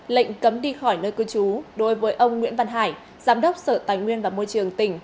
lệnh cấm đi khỏi nơi cư trú đối với ông nguyễn văn hải giám đốc sở tài nguyên và môi trường tỉnh